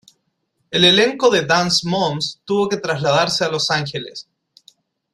El elenco de Dance Moms tuvo que trasladarse a Los Ángeles.